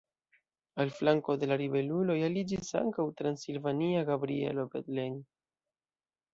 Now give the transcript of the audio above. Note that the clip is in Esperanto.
Al flanko de la ribeluloj aliĝis ankaŭ transilvania Gabrielo Bethlen.